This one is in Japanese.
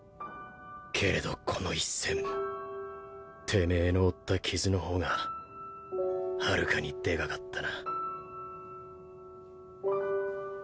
けれどこの一戦てめえの負った傷の方がはるかにでかかったな